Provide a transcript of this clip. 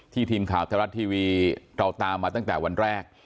ทีมข่าวไทยรัฐทีวีเราตามมาตั้งแต่วันแรก